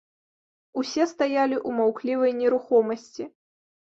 Усе стаялі ў маўклівай нерухомасці.